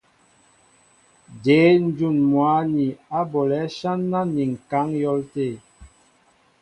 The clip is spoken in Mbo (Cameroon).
Jě ǹjún mwǎ ni á bolɛ̌ áshán ni ŋ̀kaŋ á yɔ̌l tê ?